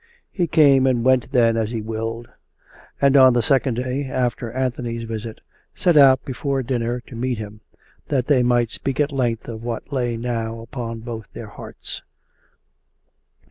He came and went then as he willed; and on the second day, after Anthony's visit, set out before dinner to meet him, that they might speak at length of what lay now upon both their hearts.